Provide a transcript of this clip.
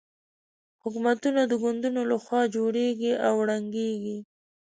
حکومتونه د ګوندونو له خوا جوړېږي او ړنګېږي.